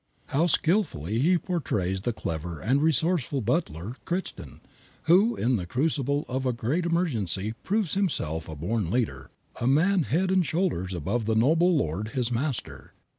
How skillfully he portrays the clever and resourceful butler, Crichton, who in the crucible of a great emergency proves himself a born leader, a man head and shoulders above the noble lord, his master.